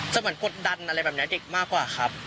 เหมือนกดดันอะไรแบบนี้เด็กมากกว่าครับ